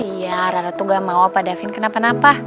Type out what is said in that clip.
iya ra tuh gak mau opa david kenapa napa